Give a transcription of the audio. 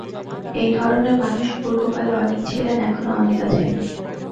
এই ধরনের মানুষ পূর্বকালে অনেক ছিলেন, এখনও অনেক আছেন।